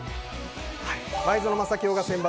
前園真聖が選抜！